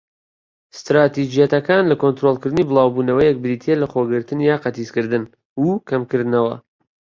ستراتیجیەتەکان لە کۆنترۆڵکردنی بڵاوبوونەوەیەک بریتیە لە لەخۆگرتن یان قەتیسکردن، و کەمکردنەوە.